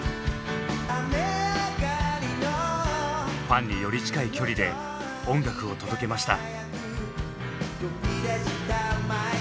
ファンにより近い距離で音楽を届けました。